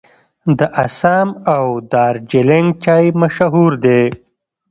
د اسام او دارجلینګ چای مشهور دی.